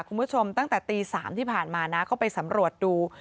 คุณผู้ชมตั้งแต่ตี๓ที่ผ่านมานะก็ไปสำรวจดู